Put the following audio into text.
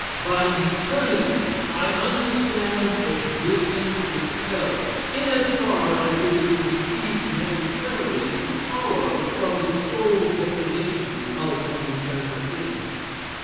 By eternity I understand existence itself, in as far as it is conceived necessarily to follow from the sole definition of an eternal thing.